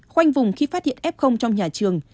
khoanh vùng khi phát hiện f trong nhà trường